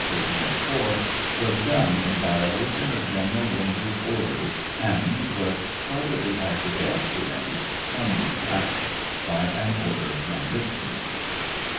1304,) was done in violation of G eneral Winder's orders, and was tardily acquiesced in some weeks after by an order from Richmond.